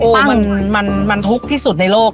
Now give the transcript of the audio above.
มันทุกข์ที่สุดในโลก